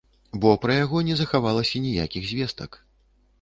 Бо пра яго не захавалася ніякіх звестак.